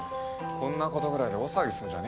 こんなことぐらいで大騒ぎすんじゃねえよ。